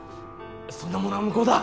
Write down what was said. そんなものは無効だ。